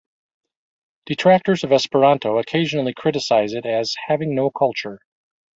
Detractors of Esperanto occasionally criticize it as "having no culture".